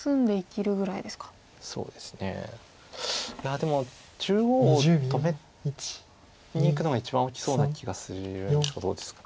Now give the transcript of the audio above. でも中央を止めにいくのが一番大きそうな気がするんですがどうですか。